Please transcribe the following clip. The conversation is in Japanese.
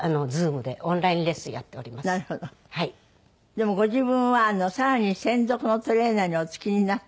でもご自分はさらに専属のトレーナーにお付きになってですね